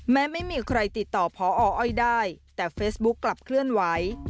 แม้ไม่มีใครติดต่อพออ้อยได้แต่เฟซบุ๊คกลับเคลื่อนไหว